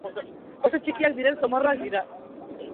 Oso txikiak diren zomorroak dira.